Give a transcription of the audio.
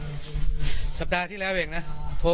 เพลงที่สุดท้ายเสียเต้ยมาเสียชีวิตค่ะ